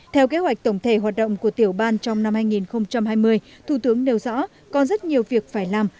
theo kế hoạch tổng thể hoạt động của tiểu ban trong năm hai nghìn hai mươi thủ tướng nêu rõ còn rất nhiều việc phải làm